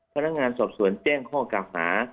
พนักงานสอบสวนแจ้งข้อกล่าวหา